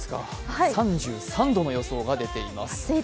３３度の予想が出ています。